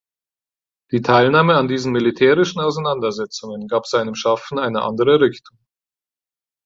Die Teilnahme an diesen militärischen Auseinandersetzungen gab seinem Schaffen eine andere Richtung.